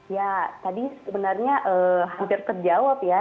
ya tadi sebenarnya hampir terjawab ya